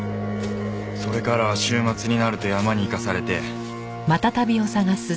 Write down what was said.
それからは週末になると山に行かされて。